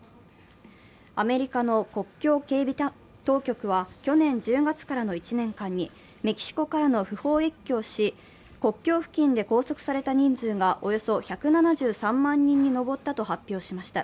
アメリカの国境警備当局は去年１０月からの１年間にメキシコからの不法越境し、国境付近で拘束された人数がおよそ１７３万人に上ったと発表しました。